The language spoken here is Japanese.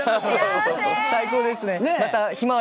最高ですね。